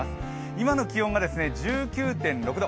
今の気温が１９．６度。